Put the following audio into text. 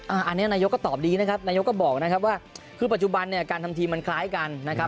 อันนี้นายกก็ตอบดีนะครับนายกก็บอกนะครับว่าคือปัจจุบันเนี่ยการทำทีมมันคล้ายกันนะครับ